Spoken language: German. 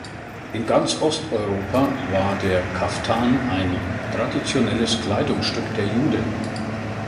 In ganz Osteuropa war der Kaftan ein traditionelles Kleidungsstück der Juden.